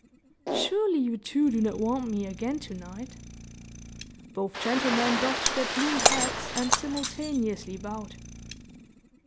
"Surely, you two do not want me again to night?" Both gentlemen doffed their plumed hats, and simultaneously bowed.